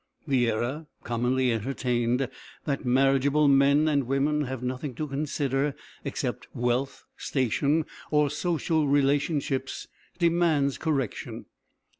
The error, commonly entertained, that marriageable men and women have nothing to consider except wealth, station, or social relationships, demands correction.